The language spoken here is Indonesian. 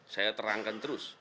saya terangkan terus